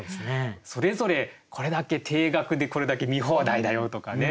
それぞれこれだけ定額でこれだけ見放題だよとかね